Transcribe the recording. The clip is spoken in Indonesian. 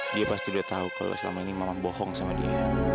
dia pasti udah tahu kalau selama ini memang bohong sama dia